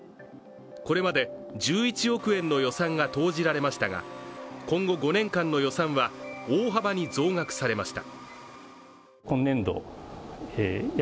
これまで１１億円の予算が投じられましたが、今後５年間の予算は大幅に増額されました。